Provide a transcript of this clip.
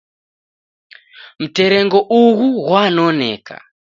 Mterengo ughu ghwanoneka